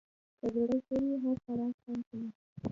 که زړه ښه وي، هر خوراک خوند کوي.